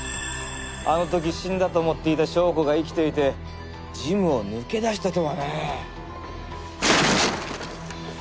あの時死んだと思っていた祥子が生きていてジムを抜け出したとはね。